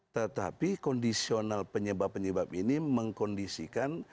tetapi kondisional penyebab penyebab ini mengkondisikan